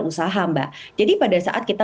usaha mbak jadi pada saat kita